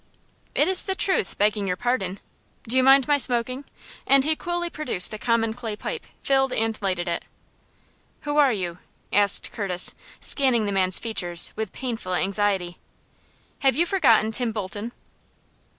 "It is the truth, begging your pardon. Do you mind my smoking?" and he coolly produced a common clay pipe, filled and lighted it. "Who are you?" asked Curtis, scanning the man's features with painful anxiety. "Have you forgotten Tim Bolton?"